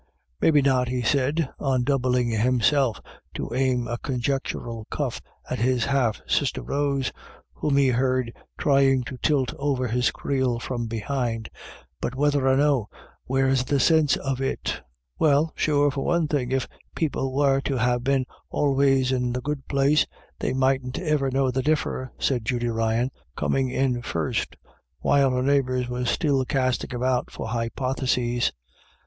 " Maybe not," he said, undoubling himself to aim a conjectural cuff at his half sister Rose, whom he heard trying to tilt over his creel from behind, "but, whether or no, where's the sinse of it ?" u Well, sure, for one thing, if people were to ha* been always in the good place, they mightn't iver know the differ," said Judy Ryan, coming in first, while her neighbours were still casting about for hypotheses.